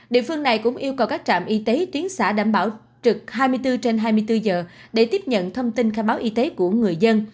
địa phương này cũng yêu cầu các trạm y tế tuyến xã đảm bảo trực hai mươi bốn trên hai mươi bốn giờ để tiếp nhận thông tin khai báo y tế của người dân